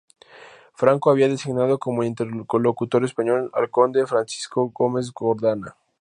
Franco había designado como interlocutor español al conde Francisco Gómez-Jordana.